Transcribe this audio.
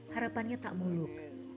harapannya tak muluk